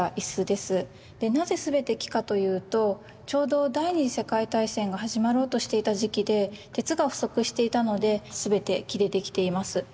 でなぜ全て木かというとちょうど第２次世界大戦が始まろうとしていた時期で鉄が不足していたので全て木でできています。